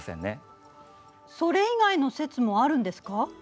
それ以外の説もあるんですか？